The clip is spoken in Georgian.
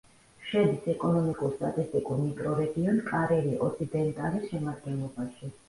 შედის ეკონომიკურ-სტატისტიკურ მიკრორეგიონ კარირი-ოსიდენტალის შემადგენლობაში.